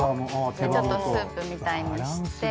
ちょっとスープみたいにして。